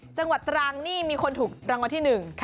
จังหวัดตรังนี่มีคนถูกรางวัลที่หนึ่ง